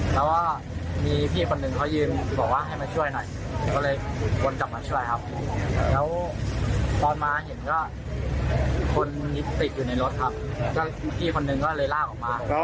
แล้วว่ามีพี่คนหนึ่งเขายืมบอกว่าให้มาช่วยหน่อยก็เลยวนกลับมาช่วยครับ